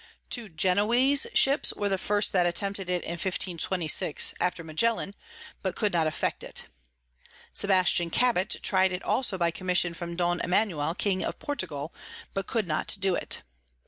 Two Genoese Ships were the first that attempted it in 1526, after Magellan, but could not effect it. Sebastian Cabot try'd it also by Commission from Don Emanuel King of Portugal, but could not do it.